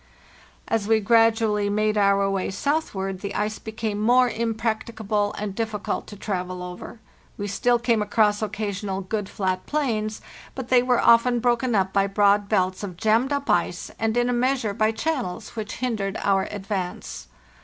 As we gradually made our way southward the ice be came more impracticable and difficult to travel over. We still came across occasional good flat plains, but they were often broken up by broad belts of jammed up ice, and in a measure by channels, which hindered our advance.